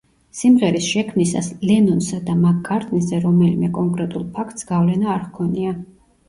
სიმღერის შექმნისას ლენონსა და მაკ-კარტნიზე რომელიმე კონკრეტულ ფაქტს გავლენა არ ჰქონია.